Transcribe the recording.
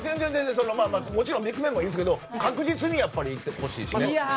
もちろんビッグネームもいいですけど確実にいってほしいしね。